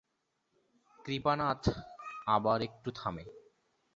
কৃপানাথ আবার একটু থামে!